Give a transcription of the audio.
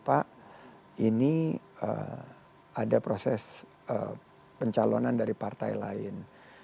pak ini ada proses pencalonan dari partai lain